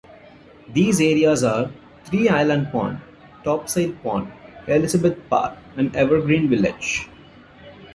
These areas are Three Island Pond, Topsail Pond, Elizabeth Park, and Evergreen Village.